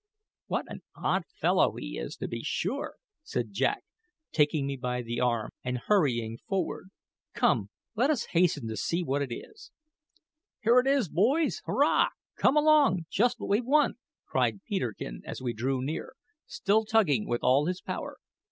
"What an odd fellow he is, to be sure!" said Jack, taking me by the arm and hurrying forward. "Come, let us hasten to see what it is." "Here it is, boys hurrah! Come along! Just what we want!" cried Peterkin as we drew near, still tugging with all his power.